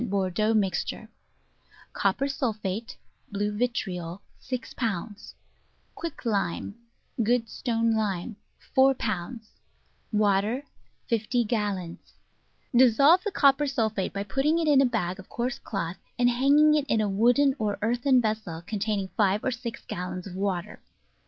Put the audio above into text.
Bordeaux Mixture Copper Sulphate (blue vitriol) 6 pounds Quicklime (good stone lime) 4 pounds Water 50 gallons Dissolve the copper sulphate by putting it in a bag of coarse cloth, and hanging it in a wooden or earthen vessel containing five or six gallons of water.